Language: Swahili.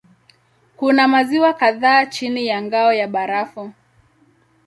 Kuna maziwa kadhaa chini ya ngao ya barafu.